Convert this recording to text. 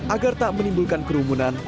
agar tak menimbulkan kerumunan